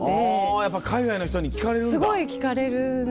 やっぱ海外の人に聞かれるんだ。